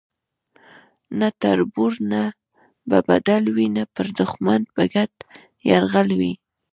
نه تربور نه به بدل وي پر دښمن به ګډ یرغل وي